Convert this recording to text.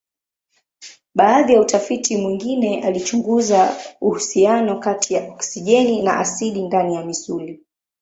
Baadhi ya utafiti mwingine alichunguza uhusiano kati ya oksijeni na asidi ndani ya misuli.